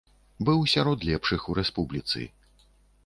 Быў сярод лепшых у рэспубліцы.